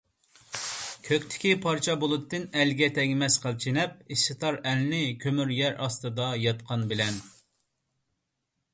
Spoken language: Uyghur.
كۆكتىكى پارچە بۇلۇتتىن ئەلگە تەگمەس قىلچە نەپ، ئىسسىتار ئەلنى كۆمۈر يەر ئاستىدا ياتقان بىلەن.